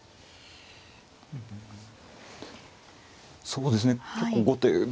そうですね結構後手どう。